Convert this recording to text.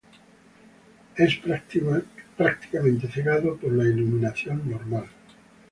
Es prácticamente cegado por la iluminación normal.